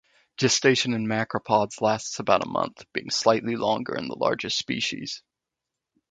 Gestation in macropods lasts about a month, being slightly longer in the largest species.